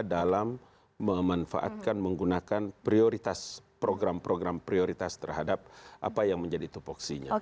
dalam memanfaatkan menggunakan prioritas program program prioritas terhadap apa yang menjadi tupoksinya